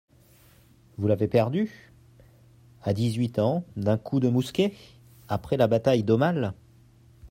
Vous l'avez perdu ? À dix-huit ans, d'un coup de mousquet … après la bataille d'Aumale.